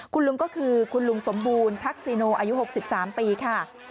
คุณลุงก็คือคุณลุงสมบูรณ์ทักษิโนอายุ๖๓ปีค่ะ